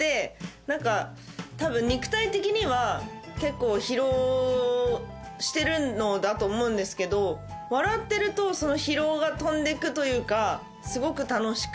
何か多分肉体的には結構疲労してるのだと思うんですけど笑ってるとその疲労が飛んでくというかすごく楽しく。